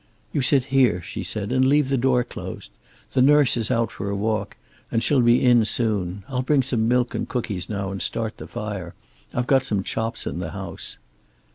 "You sit here," she said, "and leave the door closed. The nurse is out for a walk, and she'll be in soon. I'll bring some milk and cookies now, and start the fire. I've got some chops in the house."